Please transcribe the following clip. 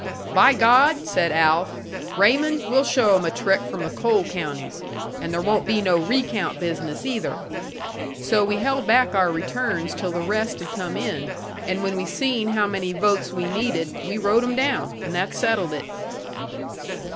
'By God,' said Alf. Raymond, 'we'll show 'em a trick from the coal counties! And there won't be no recount business either!' So we held back our returns till the rest had come in, and when we seen how many votes we needed, we wrote 'em down. And that settled it."